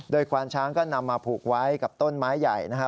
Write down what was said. โดยควานช้างก็นำมาผูกไว้กับต้นไม้ใหญ่นะฮะ